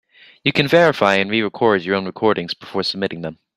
You can verify and re-record your own recordings before submitting them.